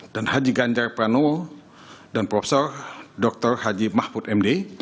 dan haji ganjar pranowo dan prof dr haji mahfud md